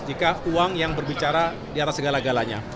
jika uang yang berbicara di atas segala galanya